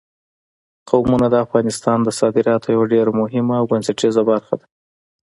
قومونه د افغانستان د صادراتو یوه ډېره مهمه او بنسټیزه برخه ده.